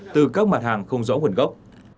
từ các mặt hàng không rõ nguồn gốc